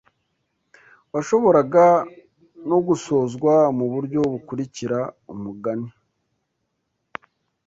Washoboraga no gusozwa mu buryo bukurikira Umugani